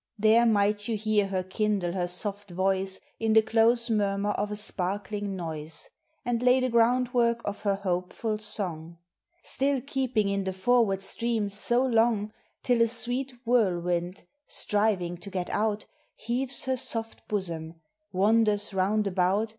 There might you hear her kindle her soft voice In the close murmur of a sparkling noise; And lay the groundwork of her hopeful song. Still keeping in the forward stream so long, Till a sweet whirlwind (striving to get out) Heaves her soft bosom, wanders round about, 308 POEMS OF NATURE.